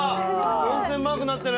温泉マークになってる。